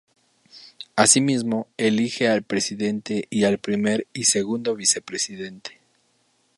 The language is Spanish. Asimismo, elige al Presidente y al Primer y Segundo Vicepresidente.